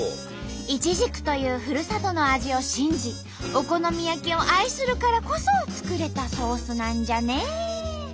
イチジクというふるさとの味を信じお好み焼きを愛するからこそ作れたソースなんじゃね！